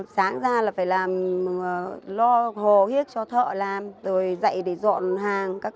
sáng ra là phải làm lo hồ hiếc cho thợ làm rồi dậy để dọn hàng